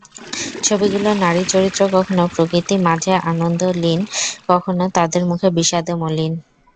ছবিগুলোর নারী চরিত্র কখনো প্রকৃতি-মাঝে আনন্দে লীন, কখনো তাদের মুখ বিষাদে মলিন।